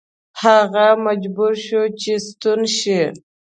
هغه مجبور شو چې ستون شي.